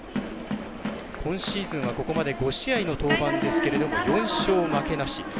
今シーズンは、ここまで５試合の登板ですけれども４勝負けなし。